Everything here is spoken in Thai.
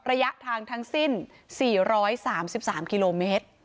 ระยะทางทางสิ้นสี่ร้อยสามสิบสามกิโลเมตร